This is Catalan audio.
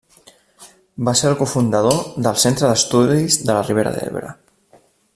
Va ser el cofundador del Centre d'Estudis de la Ribera d'Ebre.